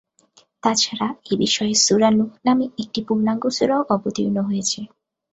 তাছাড়া এ বিষয়ে সূরা নূহ নামে একটি পূর্ণাঙ্গ সূরাও অবতীর্ণ হয়েছে।